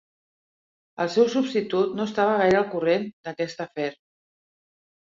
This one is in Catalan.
El seu substitut no estava gaire al corrent d'aquest afer.